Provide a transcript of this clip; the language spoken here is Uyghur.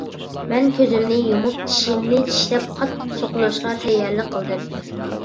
مەن كۆزۈمنى يۇمۇپ، چىشىمنى چىشلەپ قاتتىق سوقۇلۇشقا تەييارلىق قىلدى.